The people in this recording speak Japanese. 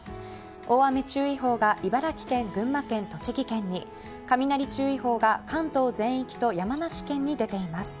大雨注意報が茨城県、群馬県、栃木県に雷注意報が関東全域と山梨県に出ています。